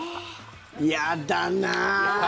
嫌だな。